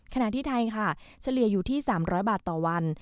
ขณะที่ไทยค่ะเฉลี่ยอยู่ที่๓๐๐บาทต่อวัน